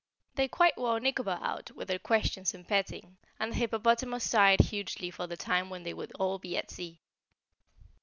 They quite wore Nikobo out with their questions and petting and the hippopotamus sighed hugely for the time when they would all be at sea.